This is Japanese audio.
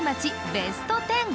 ベスト１０